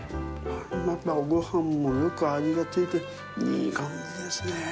また、ごはんもよく味がついて、いい感じですねぇ。